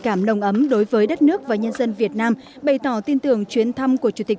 cảm nồng ấm đối với đất nước và nhân dân việt nam bày tỏ tin tưởng chuyến thăm của chủ tịch